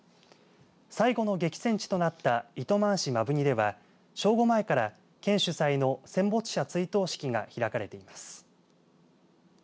最後の激戦地となった糸満市摩文仁では正午前から県主催の戦没者追悼式が開かれています。